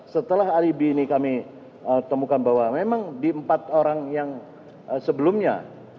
setelah alibi ini kami temukan bahwa memang di empat orang yang sebelumnya